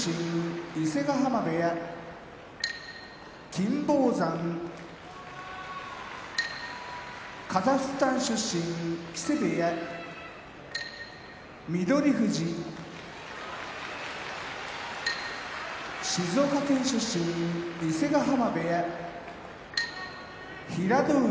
金峰山カザフスタン出身木瀬部屋翠富士静岡県出身伊勢ヶ濱部屋平戸海